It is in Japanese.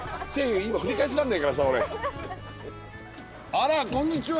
あらこんにちは。